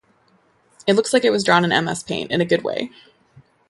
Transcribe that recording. It looks like it was drawn in ms paint, in a good way.